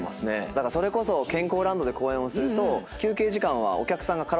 だからそれこそ健康ランドで公演をすると。